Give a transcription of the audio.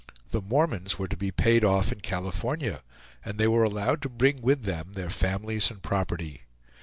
The Mormons were to be paid off in California, and they were allowed to bring with them their families and property.